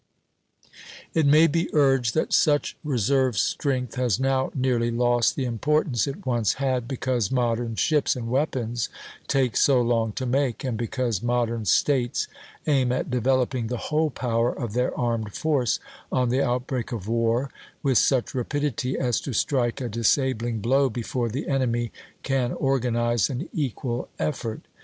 It may be urged that such reserve strength has now nearly lost the importance it once had, because modern ships and weapons take so long to make, and because modern States aim at developing the whole power of their armed force, on the outbreak of war, with such rapidity as to strike a disabling blow before the enemy can organize an equal effort.